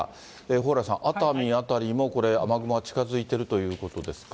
蓬莱さん、熱海辺りもこれ雨雲が近づいているということですか？